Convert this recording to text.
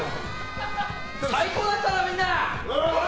最高だったな、みんな！